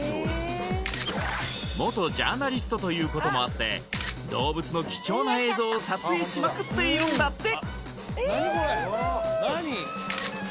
元ジャーナリストということもあって動物の貴重な映像を撮影しまくっているんだって！